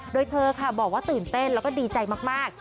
โดยเธอค่ะบอกว่าตื่นเต้นแล้วก็ดีใจมาก